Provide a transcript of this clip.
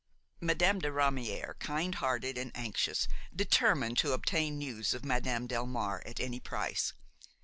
Madame de Ramière, kind hearted and anxious, determined to obtain news of Madame Delmare at any price.